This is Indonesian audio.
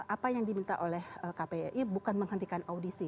apa yang diminta oleh kpi bukan menghentikan audisi